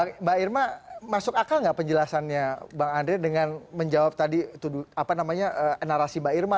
mbak irma masuk akal nggak penjelasannya bang andre dengan menjawab tadi apa namanya narasi mbak irma